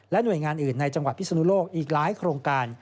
หน่วยงานอื่นในจังหวัดพิศนุโลกอีกหลายโครงการ